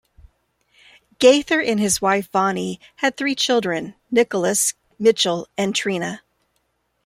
Gaither and his wife, Vonnie, had three children, Nicholas, Mitchell and Trina.